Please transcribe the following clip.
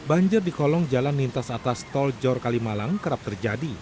banjir di kolong jalan lintas atas tol jor kalimalang kerap terjadi